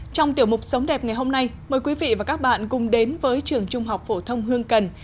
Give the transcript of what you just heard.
trong tiểu mục sống đẹp ngày hôm nay mời quý vị và các bạn cùng đến với trường trung học phổ thông hương cần